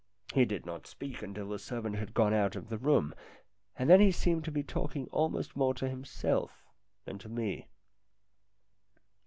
He did not speak until the servant had gone out of the room, and then he seemed to be talking almost more to him self than to me.